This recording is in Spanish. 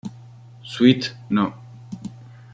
Suite No.